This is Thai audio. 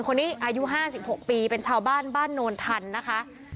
คนนี้อายุ๕๑๖ปีเป็นชาวบ้านบ้านนวลทันนะคะ